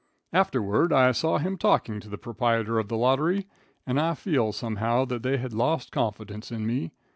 "Afterward I saw him talking to the proprietor of the lottery, and I feel, somehow, that they had lost confidence in me.